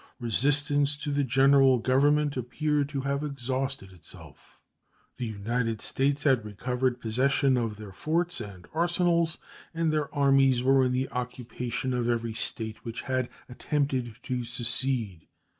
Resistance to the General Government appeared to have exhausted itself. The United States had recovered possession of their forts and arsenals, and their armies were in the occupation of every State which had attempted to secede.